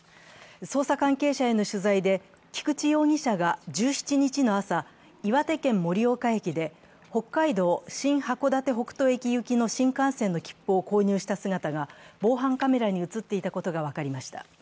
捜査関係者への取材で菊池容疑者が１７日の朝岩手県・盛岡駅で北海道・新函館北斗駅行きの新幹線の切符を購入した姿が防犯カメラに映っていたことが分かりました。